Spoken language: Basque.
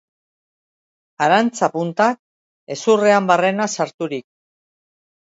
Arantza-puntak hezurrean barrena sarturik.